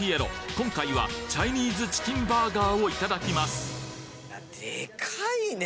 今回はチャイニーズチキンバーガーをいただきますデカいね。